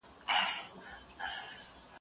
د روحاني و دفرزان انځورمي زړه کي اوسي